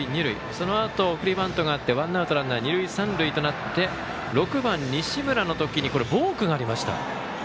そのあと、送りバントがあってワンアウトランナー、二塁三塁となって６番、西村の時にボークがありました。